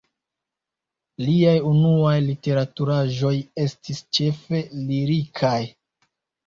Liaj unuaj literaturaĵoj estis ĉefe lirikaj.